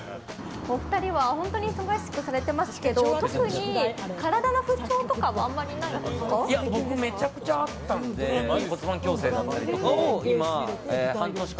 お二人は本当に忙しくされてますけど特に体の不調とかはあまりないですか？